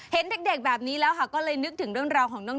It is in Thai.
เห็นเด็กแบบนี้แล้วค่ะก็เลยนึกถึงเรื่องราวของน้อง